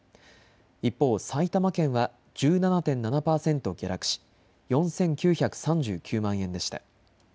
一方、埼玉県は１７．７％下落し４９３９万円でした。